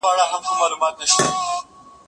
زه به اوږده موده سندري ويلي وم،